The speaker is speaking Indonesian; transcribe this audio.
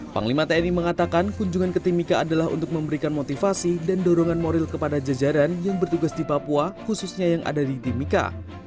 panglima tni mengatakan kunjungan ke timika adalah untuk memberikan motivasi dan dorongan moral kepada jajaran yang bertugas di papua khususnya yang ada di timika